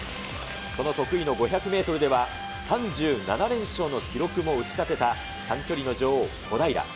その得意の５００メートルでは、３７連勝の記録も打ち立てた、短距離の女王、小平。